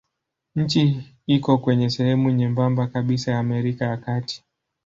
Nchi iko kwenye sehemu nyembamba kabisa ya Amerika ya Kati.